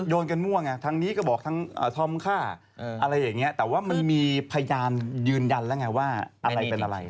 โดนกันมั่วไงทางนี้ก็บอกทั้งธอมฆ่าอะไรอย่างนี้แต่ว่ามันมีพยานยืนยันแล้วไงว่าอะไรเป็นอะไร